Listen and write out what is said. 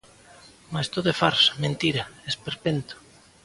Mais todo é farsa, mentira, esperpento.